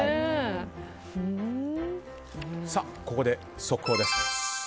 ここで速報です。